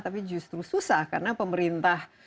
tapi justru susah karena pemerintah